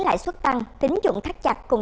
lại xuất tăng tính dụng thắt chặt cùng